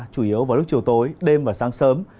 chủ yếu vào lúc chiều tối đêm và sáng sớm